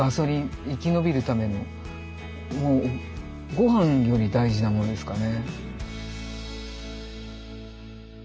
ご飯より大事なものですかね。